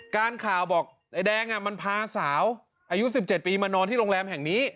การข่าวบอกไอ้แดงมันพาสาวอายุ๑๗ปีมานอนที่โรงแรมแห่งนี้